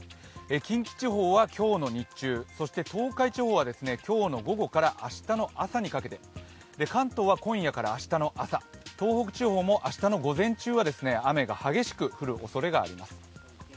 近畿地方は今日の日中、そして東海地方は今日の午後から明日の朝にかけて関東は今夜から明日の朝、東北地方も明日の午前中は雨が激しく降るおそれがあります。